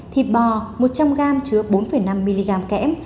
thịt bò một trăm linh gram chứa bốn năm mg kẽm